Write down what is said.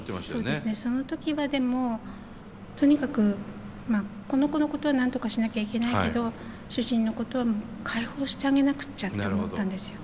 そうですねその時はでもとにかくこの子のことはなんとかしなきゃいけないけど主人のことを解放してあげなくちゃって思ったんですよ。